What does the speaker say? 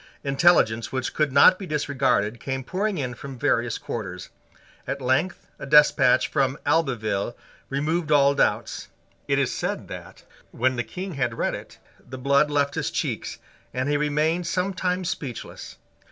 Intelligence which could not be disregarded came pouring in from various quarters. At length a despatch from Albeville removed all doubts. It is said that, when the King had read it, the blood left his cheeks, and he remained some time speechless.